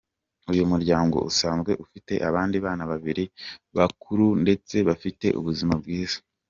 Uyu muryango usanzwe ufite abandi bana babiri bakuru ndetse bafite ubuzima bwiza.